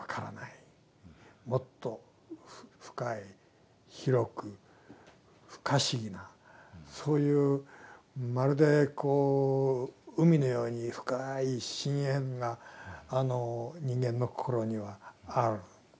もっと深い広く不可思議なそういうまるでこう海のように深い深遠な人間のこころにはある。